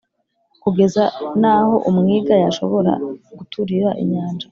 kugeza n’aho umwiga yashobora guturira inyanja.